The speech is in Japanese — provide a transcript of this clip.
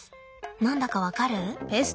何だか分かる？